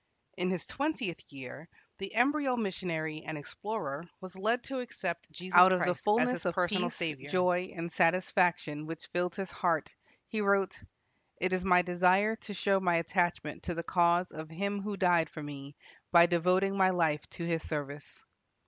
In his twentieth year the embryo missionary and explorer was led to accept Jesus Christ as his personal Saviour. Out of the fulness of peace, joy, and satisfaction which filled his heart, he wrote, "It is my desire to show my attachment to the cause of him who died for me by devoting my life to his service."